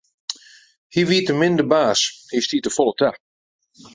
Hy wie te min de baas, hy stie te folle ta.